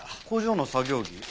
工場の作業着？